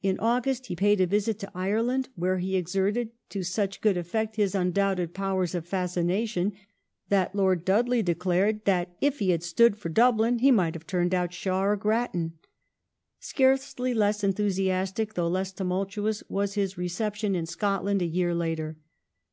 In August he paid a visit to Ireland, where he exerted to such good effect his undoubted powers of fascination that Lord Dudley declared that " if he had stood for Dublin he might have turned out Shaw or Grattan "^ Scarcely less enthusiastic, though less tumultuous, was his reception in Scotland a year later.